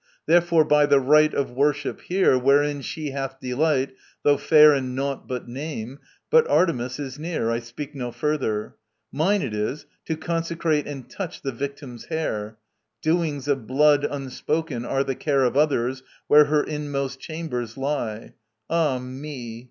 Therefore, by the rite Of worship here, wherein she hath delight Though fair in naught but name. ... But Artemis Is near; I speak no further. Mine it is To consecrate and touch the victim's hair; Doings of blood unspoken are the care Of others, where her inmost chambers lie. Ah me!